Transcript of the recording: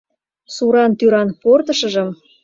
Суран тӱран портышыжым